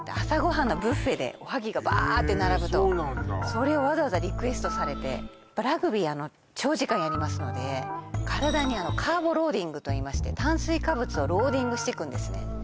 朝ご飯のビュッフェでおはぎがバーッて並ぶとそれをわざわざリクエストされてやっぱラグビー長時間やりますので体にカーボローディングといいまして炭水化物をローディングしていくんですね